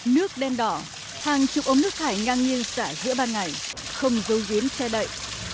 nước đen đỏ hàng chục ống nước thải ngang như xả giữa ban ngày không dấu diễn xe đậy